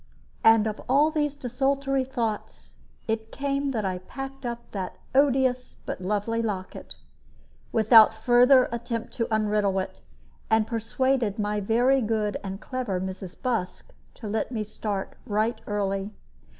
And of all these desultory thoughts it came that I packed up that odious but very lovely locket, without further attempt to unriddle it, and persuaded my very good and clever Mrs. Busk to let me start right early.